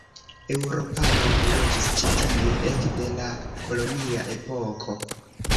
Eŭropanoj loĝis ĉi tie ekde la kolonia epoko.